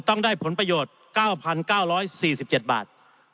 ต้องได้ผลประโยชน์๙๙๔๗บาท